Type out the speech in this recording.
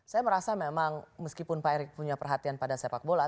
saya merasa memang meskipun pak erick punya perhatian pada sepak bola